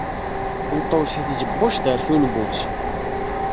Nṭew si tẓebbujt ɣer tulmutt.